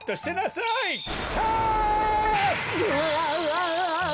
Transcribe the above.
うわ。